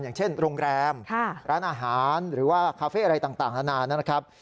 อย่างเช่นโรงแรมร้านอาหารหรือว่าคาเฟ่อะไรต่างนานานนะครับ